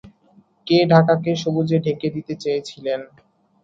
কে ঢাকাকে সবুজে ঢেকে দিতে চেয়েছিলেন?